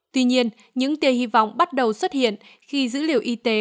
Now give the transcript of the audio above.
tuy nhiên những tia hy vọng bắt đầu xuất hiện khi dữ liệu y tế